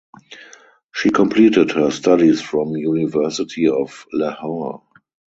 She completed her studies from University of Lahore.